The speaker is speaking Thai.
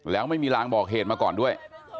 แล้วไม่มีรางบอกเหตุมาก่อนด้วย